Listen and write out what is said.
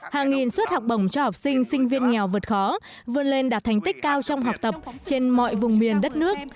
hàng nghìn suất học bổng cho học sinh sinh viên nghèo vượt khó vươn lên đạt thành tích cao trong học tập trên mọi vùng miền đất nước